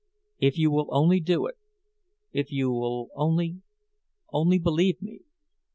"If you will only do it! If you will only—only believe me!